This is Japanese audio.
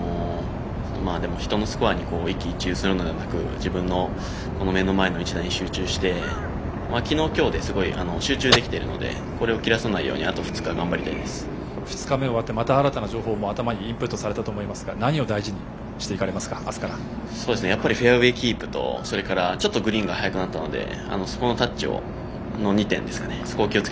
でも、人のスコアに一喜一憂するのではなく自分の目の前の一打に集中して昨日、今日ですごい集中できているのでこれを切らさないように２日目終わってまた新たな情報も頭にインプットされたと思いますが明日からやっぱりフェアウエーキープとそれから、ちょっとグリーンが速くなったのでそこのタッチの２点ですかね。